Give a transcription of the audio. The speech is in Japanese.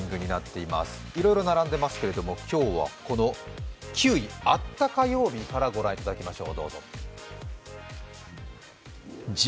いろいろ並んでますけれども今日は９位、あった火曜日から御覧いただきましょう。